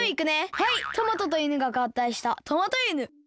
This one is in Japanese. はいトマトといぬががったいしたトマトいぬ。